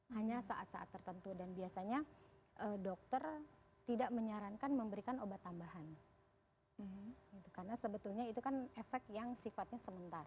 hanya saat saat tertentu dan biasanya dokter tidak menyarankan memberikan obat tambahan karena sebetulnya itu kan efek yang sifatnya sementara